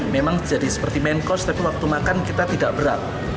memang jadi seperti main course tapi waktu makan kita tidak berat